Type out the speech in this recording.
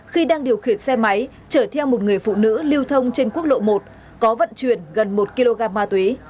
khi đang điều khiển xe máy chở theo một người phụ nữ lưu thông trên quốc lộ một có vận chuyển gần một kg ma túy